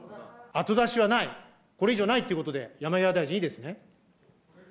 後出しはない、これ以上ないということで、山際大臣、いいですね？